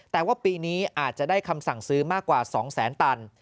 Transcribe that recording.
แต่ว่าปีนี้อาจจะได้คำสั่งซื้อมากกว่า๒แสนตัน